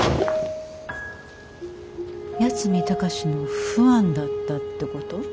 八海崇のファンだったってこと？